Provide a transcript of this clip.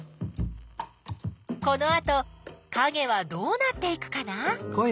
このあとかげはどうなっていくかな？